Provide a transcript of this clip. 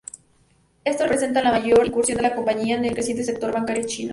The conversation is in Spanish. Eso representa la mayor incursión de la compañía en el creciente sector bancario chino.